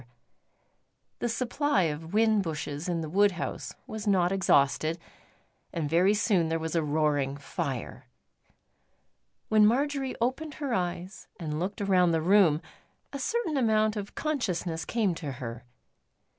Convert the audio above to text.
The supply of whin bushes in the wood house was not exhausted, and very soon there was a roaring fire. When Marjory opened her eyes and looked around the room, a certain amount of consciousness came to her.